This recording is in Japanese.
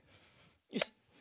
よし。